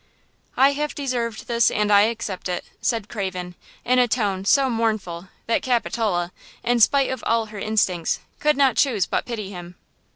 "I have deserved this and I accept it," said Craven, in a tone so mournful that Capitola, in spite of all her instincts, could not choose but pity him.